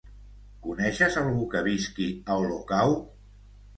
Coneixes algú que visqui a Olocau?